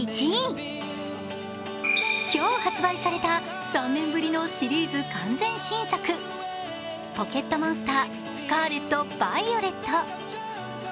今日発売された３年ぶりのシリーズ完全新作、ポケットモンスタースカーレット・バイオレット。